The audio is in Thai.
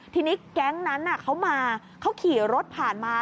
ทีนี้แก๊งนั้นเขามาเขาขี่รถผ่านมา